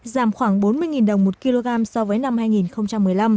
giảm khoảng bốn mươi đồng một kg so với năm hai nghìn một mươi năm